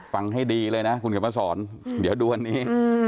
ฟังให้ดีเลยนะคุณเขียนมาสอนเดี๋ยวดูอันนี้